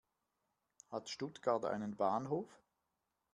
Hat Stuttgart einen Bahnhof?